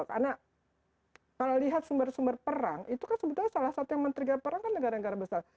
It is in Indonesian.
karena kalau lihat sumber sumber perang itu kan sebenarnya salah satu yang menteri perang kan negara negara besar